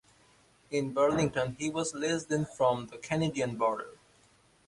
In Burlington he was less than from the Canadian border.